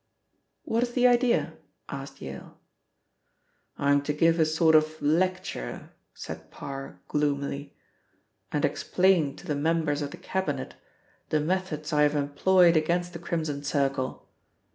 "What is the idea?" asked Yale. "I'm to give a sort of lecture," said Parr gloomily, "and explain to the members of the Cabinet the methods I have employed against the Crimson Circle.